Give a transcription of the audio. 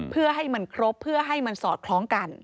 เพื่อให้มันครบเพื่อให้มันสอดคล้องกัน